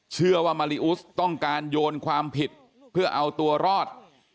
เชื่อว่ามาริอุสต้องการโยนความผิดเพื่อเอาตัวรอด